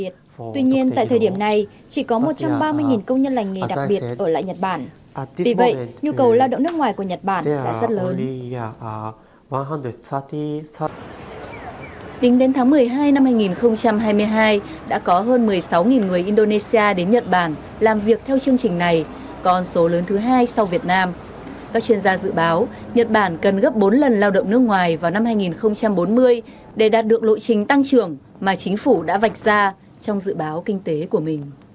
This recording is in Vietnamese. tính đến tháng một mươi hai năm hai nghìn hai mươi hai đã có hơn một mươi sáu người indonesia đến nhật bản làm việc theo chương trình này còn số lớn thứ hai sau việt nam